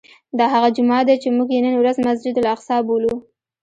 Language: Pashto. دا هغه جومات دی چې موږ یې نن ورځ مسجد الاقصی بولو.